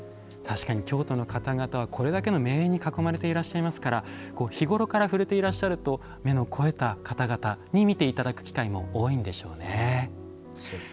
京都の方々は、これだけの名園に囲まれていますから日頃から触れていらっしゃると目の肥えた方々に見ていただく機会も多いんでしょうね。